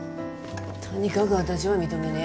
とにかく私は認めね。